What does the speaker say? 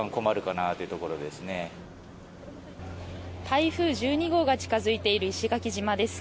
台風１２号が近付いている石垣島です。